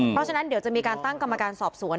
เพราะฉะนั้นเดี๋ยวจะมีการตั้งกรรมการสอบสวน